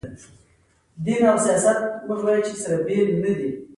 ما پر هغه باندې يوه مفکوره پلورلې وه.